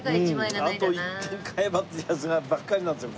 あと１点買えばっていうやつばっかりなんですよ